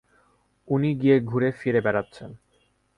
উনি গিয়ে ঘুরে ফিরে বেড়াচ্ছেন।